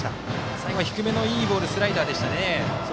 最後、低めのいいボールスライダーでした。